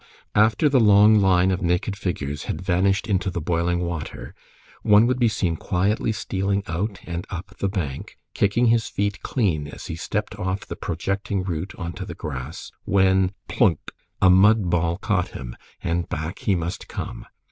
After the long line of naked figures had vanished into the boiling water, one would be seen quietly stealing out and up the bank kicking his feet clean as he stepped off the projecting root onto the grass, when, plunk! a mud ball caught him, and back he must come.